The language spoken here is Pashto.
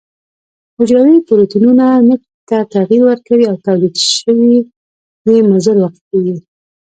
حجروي پروتینونو ته تغیر ورکوي او تولید شوي یې مضر واقع کیږي.